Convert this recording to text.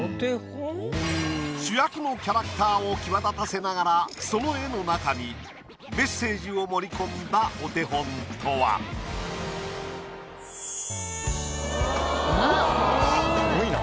主役のキャラクターを際立たせながらその絵の中にメッセージを盛り込んだお手本とは？すごいな。